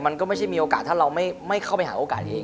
มันก็ไม่ใช่มีโอกาสถ้าเราไม่เข้าไปหาโอกาสเอง